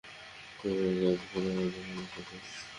বেপরোয়া কাজ করে আমাদের সমস্যায় ফেলো।